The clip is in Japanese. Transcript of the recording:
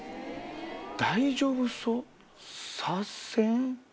「大丈夫そ？」「さぁせぇん」